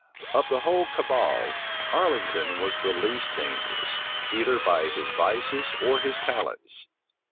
Of the whole cabal, Arlington was the least dangerous, either by his vices or his talents.